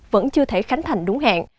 vẫn chưa thể khánh thành đúng hẹn